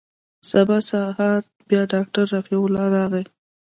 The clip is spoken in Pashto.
سبا سهار بيا ډاکتر رفيع الله راغى.